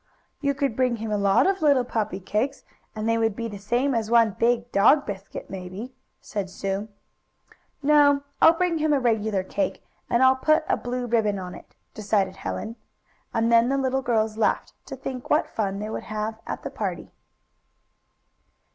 "You could bring him a lot of little puppy cakes, and they would be the same as one big dog biscuit, maybe," said Sue. "No, I'll bring him a regular cake, and I'll put a blue ribbon on it," decided Helen, and then the little girls laughed to think what fun they would have at the party.